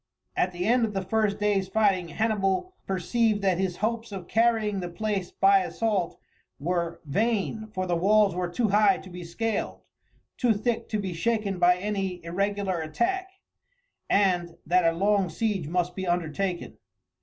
At the end of the first day's fighting Hannibal perceived that his hopes of carrying the place by assault were vain for the walls were too high to be scaled, too thick to be shaken by any irregular attack and that a long siege must be undertaken.